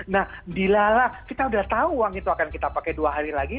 nah dilala kita sudah tahu uang itu akan kita pakai dua hari lagi